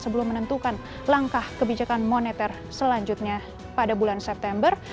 sebelum menentukan langkah kebijakan moneter selanjutnya pada bulan september